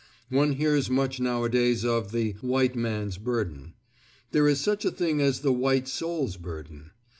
One hears much nowadays of the "white man's burden." There is such a thing as the white soul's burden.